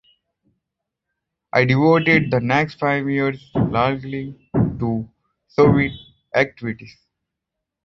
I devoted the next five years largely to Soviet activities.